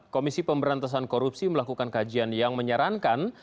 komisi pemberantasan korupsi melakukan kajian yang menyarankan